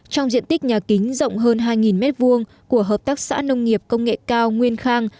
trong diện tích nhà kính rộng hơn hai m hai của hợp tác xã nông nghiệp công nghệ cao nguyên khang